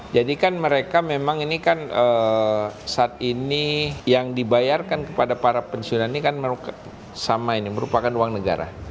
jadi kan mereka memang ini kan saat ini yang dibayarkan kepada para pensiunan ini kan sama ini merupakan uang negara